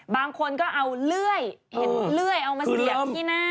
บางคนก็เอาเลื่อยเอามาเสียบที่หน้า